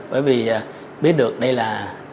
bởi vì biết được đây là